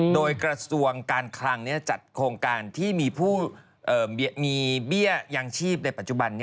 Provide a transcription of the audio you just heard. โดยกระทรวงการคลังจัดโครงการที่มีผู้มีเบี้ยยังชีพในปัจจุบัน